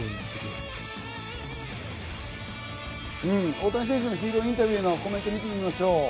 大谷選手のヒーローインタビューのコメントを見てみましょう。